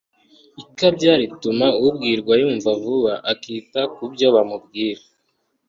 ikabya rituma ubwirwa yumva vuba akita ku byo bamubwira